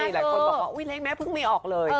หลายคนบอกว่าอุ๊ยเลขแม่เพิ่งไม่ออกเลย